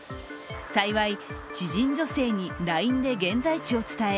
幸い、知人女性にＬＩＮＥで現在地を伝え